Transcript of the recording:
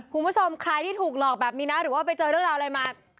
คุณผู้ชมใครที่ถูกหลอกแบบนี้นะหรือว่าไปเจอเรื่องราวอะไรมา